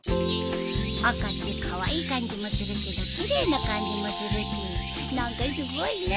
赤ってカワイイ感じもするけど奇麗な感じもするし何かすごいね。